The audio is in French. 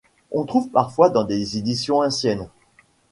On trouve parfois dans des éditions anciennes.